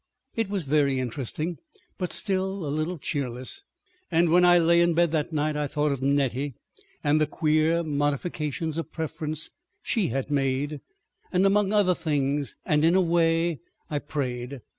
It was very interesting, but still a little cheerless, and when I lay in bed that night I thought of Nettie and the queer modifications of preference she had made, and among other things and in a way, I prayed.